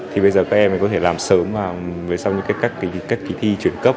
thì bây giờ các em có thể làm sớm và sau những cách kỳ thi chuyển cấp